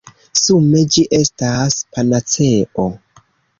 Sume, ĝi estas panaceo!